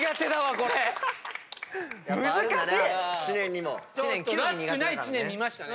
難しい！らしくない知念見ましたね。